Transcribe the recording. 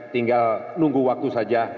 tinggal nunggu waktu saja